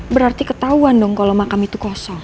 berarti ketauan dong kalau makam itu kacau kan ya